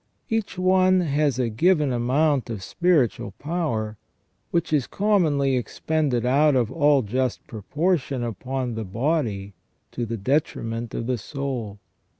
Each one has a given amount of spiritual power, which is commonly expended out of all just proportion upon the body to the detriment of the soul ; ON EVIL AND THE ORIGIN OF EVIL.